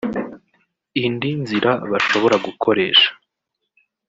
Indi nzira bashobora gukoresha